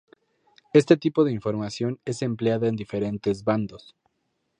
Este tipo de información es empleada en diferentes bandos.